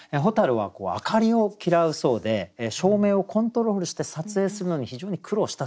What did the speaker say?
蛍は明かりを嫌うそうで照明をコントロールして撮影するのに非常に苦労したそうなんです。